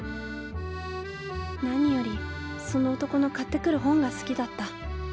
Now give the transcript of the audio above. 何よりその男の買ってくる本が好きだった。